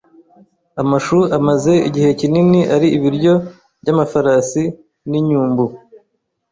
Amashu amaze igihe kinini ari ibiryo byamafarasi n'inyumbu.